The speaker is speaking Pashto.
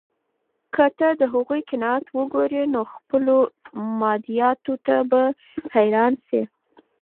که ته د هغوی قناعت وګورې، نو خپلو مادیاتو ته به حیران شې.